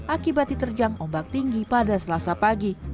akibat diterjang ombak tinggi pada selasa pagi